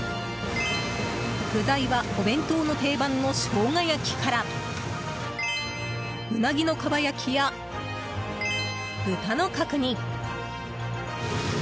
具材はお弁当の定番のしょうが焼きからウナギの蒲焼きや豚の角煮。